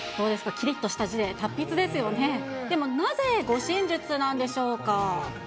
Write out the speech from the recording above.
きりっとした字で、達筆ですよね、でもなぜ、護身術なんでしょうか。